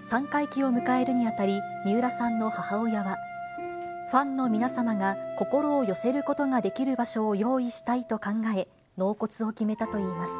三回忌を迎えるにあたり、三浦さんの母親は、ファンの皆様が心を寄せることができる場所を用意したいと考え、納骨を決めたといいます。